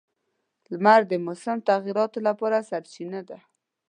• لمر د موسم تغیراتو لپاره سرچینه ده.